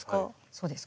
そうです。